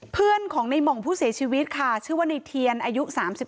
เพื่อนของในหม่องผู้เสียชีวิตค่ะชื่อว่าในเทียนอายุ๓๒